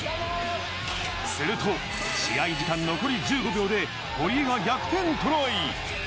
すると試合時間残り１５秒で堀江が逆転トライ。